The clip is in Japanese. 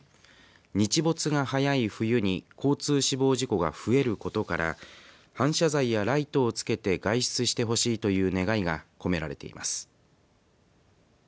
日没が早い冬に交通死亡事故が増えることから反射材やライトをつけて外出してほしいという願いが込められています。